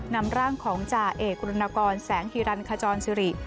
นำร่างของจ่าเอกรณกรแสงฮิรันขจรสิริ